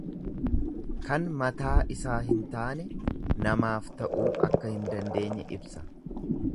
Kan mataa isaaf hin taane namaaf ta'uu akka hin dandeenye ibsa.